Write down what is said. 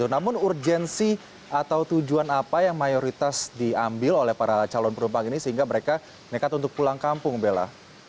namun urgensi atau tujuan apa yang mayoritas diambil oleh para calon penumpang ini sehingga mereka nekat untuk pulang kampung bella